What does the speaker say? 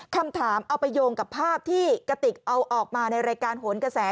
คำถามเอาไปโยงกับภาพที่กระติกเอาออกมาในรายการโหนกระแส